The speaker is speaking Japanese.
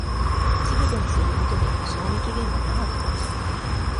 チルドにすることで賞味期限が長くなる